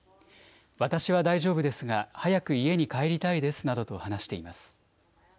私は大丈夫ですが早く家に帰りたいですなどと話しています。